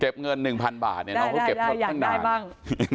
เก็บเงิน๑๐๐๐บาทอยากได้บ้าง